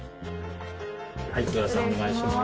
はいではお願いします。